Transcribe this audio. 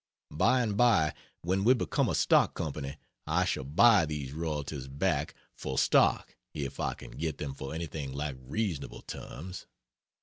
By and by, when we become a stock company I shall buy these royalties back for stock if I can get them for anything like reasonable terms.